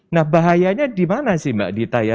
nah bahayanya di mana sih mbak dita ya